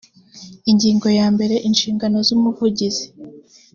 ingingo ya mbere inshingano z umuvugizi